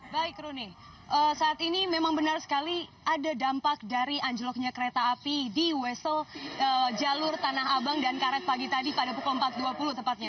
baik roni saat ini memang benar sekali ada dampak dari anjloknya kereta api di wesel jalur tanah abang dan karet pagi tadi pada pukul empat dua puluh tepatnya